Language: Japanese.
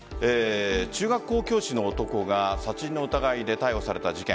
中学校教師の男が殺人の疑いで逮捕された事件。